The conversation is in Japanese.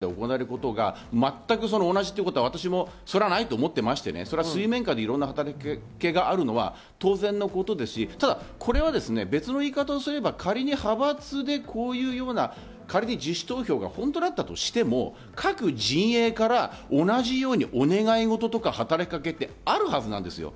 表向きに言ってることと、実は組織の中で水面下で行われることが全く同じってことは私もないと思ってまして、水面下でいろんな働きかけがあるのは当然のことですし、ただ、これは別の言い方をすれば、仮に派閥で仮に自主投票が本当だったとしても、各陣営から同じようにお願い事とか働きかけってあるはずなんです。